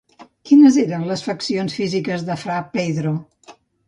Quines eren les faccions físiques de fra Pedro?